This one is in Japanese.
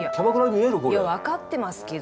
いや分かってますけど。